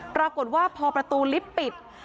ปรากฏว่าพอประตูลิฟต์ปิด